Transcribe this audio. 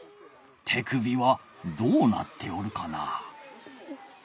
手首はどうなっておるかな？